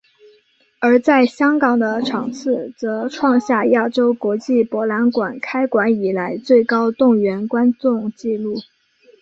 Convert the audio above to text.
而在香港的场次则创下亚洲国际博览馆开馆以来最高动员观众记录。